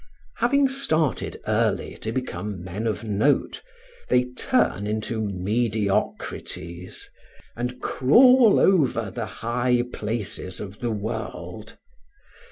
Having started early to become men of note, they turn into mediocrities, and crawl over the high places of the world.